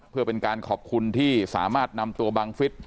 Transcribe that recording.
เพื่อเป็นการขอบคุณที่สามารถนำตัวบังฟิศ